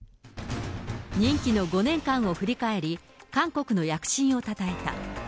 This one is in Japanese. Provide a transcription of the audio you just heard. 任期の５年間を振り返り、韓国の躍進をたたえた。